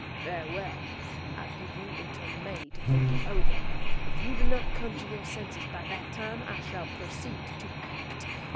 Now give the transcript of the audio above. Very well, I give you until May to think it over. If you do not come to your senses by that time, I shall proceed to act.